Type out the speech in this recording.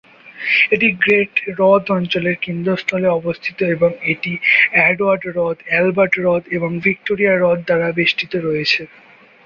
এটি গ্রেট হ্রদ অঞ্চলের কেন্দ্রস্থলে অবস্থিত এবং এটি অ্যাডওয়ার্ড হ্রদ, অ্যালবার্ট হ্রদ এবং ভিক্টোরিয়া হ্রদ দ্বারা বেষ্টিত রয়েছে।